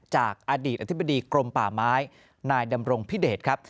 จากอดีตอธิบดีกรมป่าไม้นายดำรงพิเดชครับ